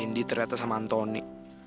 kendi ternyata sama anthony